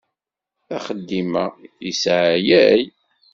Axeddim-a yesseɛyay.